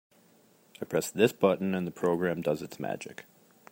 I press this button and the program does its magic.